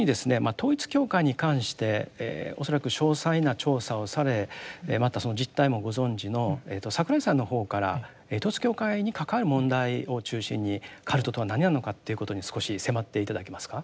統一教会に関して恐らく詳細な調査をされまたその実態もご存じの櫻井さんの方から統一教会に関わる問題を中心にカルトとは何なのかっていうことに少し迫って頂けますか。